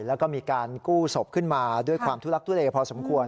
แล้วก็มีการกู้ศพขึ้นมาด้วยความทุลักทุเลพอสมควร